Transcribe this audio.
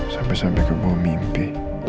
sampai sampai ke bawah mimpi